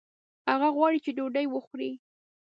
هغه غواړي چې ډوډۍ وخوړي